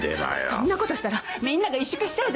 そんなことしたらみんなが萎縮しちゃうじゃないですか。